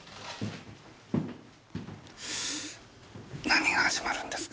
何が始まるんです？